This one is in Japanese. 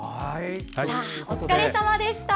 お疲れさまでした。